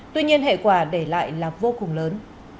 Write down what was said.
tuy nhiên hệ quả để lại là vô cùng lớn